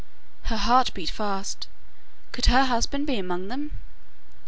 Her heart beat fast. Could her husband be among them?